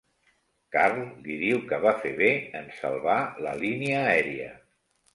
Carl li diu que va fer bé en salvar la línia aèria.